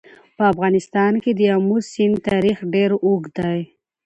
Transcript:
په افغانستان کې د آمو سیند تاریخ ډېر اوږد دی.